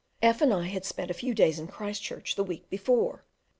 F and I had spent a few days in Christchurch the week before.